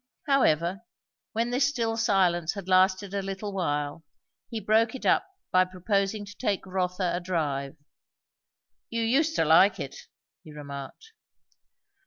However, when this still silence had lasted a little while, he broke it up by proposing to take Rotha a drive. "You used to like it," he remarked.